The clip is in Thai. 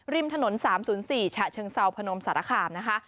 ริมถนน๓๐๔ฉะเชิงเซาพนมสารคามนะคะ